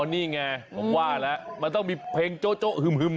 นี่ไงผมว่าแล้วมันต้องมีเพลงโจ๊ฮึม